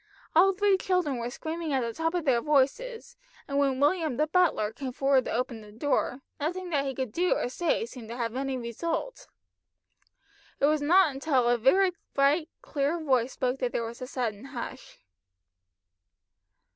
All three children were screaming at the top of their voices, and when William the butler came forward to open the door, nothing that he could do or say seemed to have any result. It was not till a very bright clear voice spoke that there was a sudden hush.